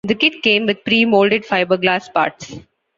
The kit came with pre-molded fiberglass parts.